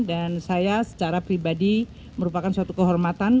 dan saya secara pribadi merupakan suatu kehormatan